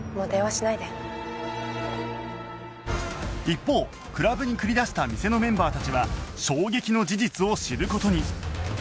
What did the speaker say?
一方クラブに繰り出した店のメンバーたちは衝撃の事実を知る事に